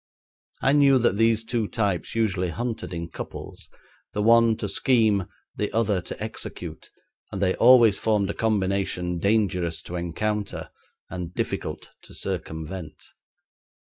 I knew that these two types usually hunted in couples the one to scheme, the other to execute, and they always formed a combination dangerous to encounter and difficult to circumvent.